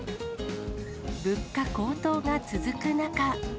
物価高騰が続く中。